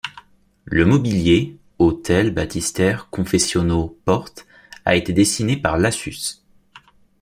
Le mobilier — autels, baptistère, confessionnaux, portes — a été dessiné par Lassus.